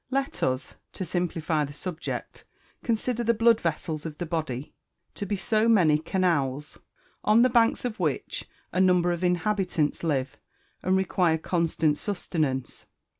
Let us, to simplify the subject, consider the blood vessels of the body to be so many canals, on the banks of which a number of inhabitants live, and require constant sustenance.